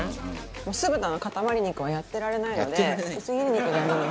酢豚の塊肉はやってられないので薄切り肉でやります。